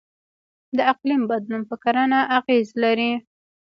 د اقلیم بدلون په کرنه اغیز لري.